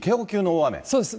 そうです。